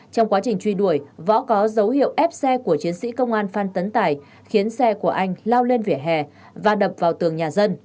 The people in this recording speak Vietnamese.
trong quá trình truy đuổi võ có dấu hiệu ép xe của chiến sĩ công an phan tấn tài khiến xe của anh lao lên vỉa hè và đập vào tường nhà dân